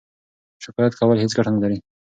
شکایت کول هیڅ ګټه نلري.